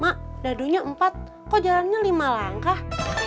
mak dadunya empat kok jalannya lima langkah